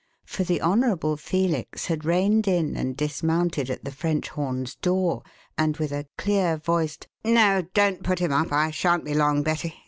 For the Honourable Felix had reined in and dismounted at the French Horn's door, and, with a clear voiced, "No, don't put him up; I shan't be long, Betty.